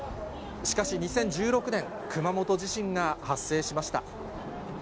しかし、２０１６年、熊本地震が発生しました。